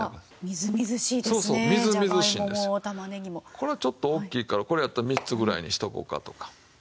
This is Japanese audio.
これはちょっと大きいからこれやったら３つぐらいにしておこうかとか。